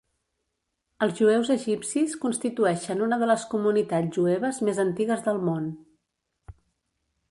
Els jueus egipcis constitueixen una de les comunitats jueves més antigues del món.